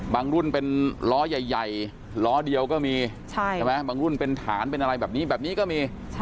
รุ่นเป็นล้อใหญ่ล้อเดียวก็มีใช่ไหมบางรุ่นเป็นฐานเป็นอะไรแบบนี้แบบนี้ก็มี